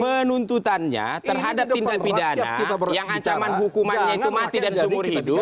penuntutannya terhadap tindak pidana yang ancaman hukumannya itu mati dan seumur hidup